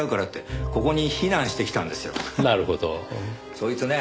そいつね